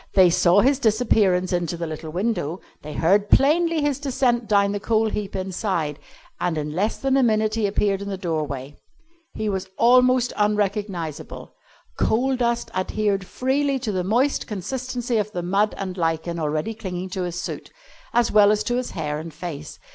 They saw his disappearance into the little window, they heard plainly his descent down the coal heap inside, and in less than a minute he appeared in the doorway. He was almost unrecognisable. Coal dust adhered freely to the moist consistency of the mud and lichen already clinging to his suit, as well as to his hair and face.